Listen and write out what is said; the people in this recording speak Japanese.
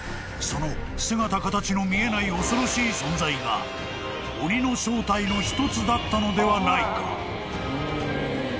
［その姿形の見えない恐ろしい存在が鬼の正体の一つだったのではないか］